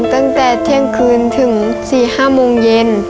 ตั้งแต่เที่ยงคืนถึง๔๕โมงเย็น